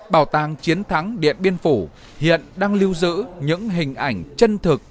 bảo tàng chiến thắng điện biên phủ hiện đang lưu giữ những hình ảnh chân thực